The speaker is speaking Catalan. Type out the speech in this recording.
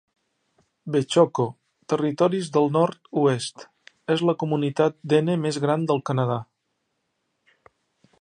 Behchoko, Territoris del Nord-oest, és la comunitat dene més gran del Canadà.